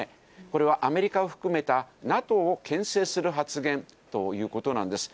これはアメリカを含めたＮＡＴＯをけん制する発言ということなんです。